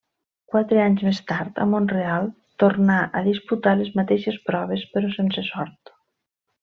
Quatre anys més tard, a Mont-real tornà a disputar les mateixes proves, però sense sort.